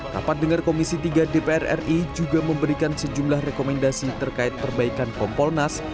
rapat dengar komisi tiga dpr ri juga memberikan sejumlah rekomendasi terkait perbaikan kompolnas